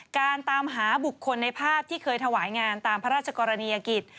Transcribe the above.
ตามหาบุคคลในภาพที่เคยถวายงานตามพระราชกรณียกิจ